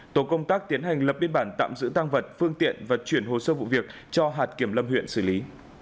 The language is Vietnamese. tổ công tác tiến hành lập biên bản tạm giữ tăng vật phương tiện và chuyển hồ sơ vụ việc cho hạt kiểm lâm huyện xử lý